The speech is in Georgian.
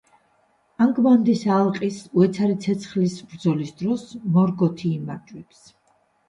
ანგბანდის ალყის, უეცარი ცეცხლის ბრძოლის დროს მორგოთი იმარჯვებს.